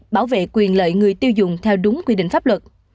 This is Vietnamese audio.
bảo vệ quyền lợi người tiêu dùng theo đúng quy định pháp luật